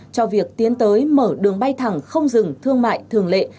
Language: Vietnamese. cho việc tiến tới mở đường bay thẳng không dừng thương mại thường lệ